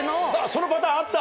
そのパターンあった？